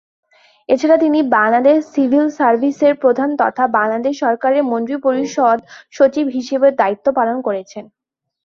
এছাড়া তিনি বাংলাদেশ সিভিল সার্ভিসের প্রধান তথা বাংলাদেশ সরকারের মন্ত্রিপরিষদ সচিব হিসেবেও দায়িত্ব পালন করেছেন।